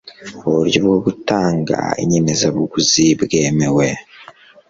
Uburyo bwo gutanga inyemezabuguzi bwemewe